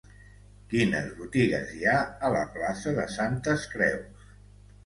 Quines botigues hi ha a la plaça de Santes Creus?